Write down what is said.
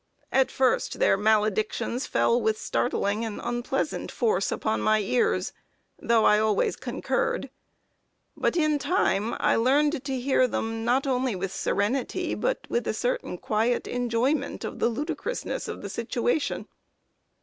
At first their maledictions fell with startling and unpleasant force upon my ears, though I always concurred. But in time I learned to hear them not only with serenity, but with a certain quiet enjoyment of the ludicrousness of the situation.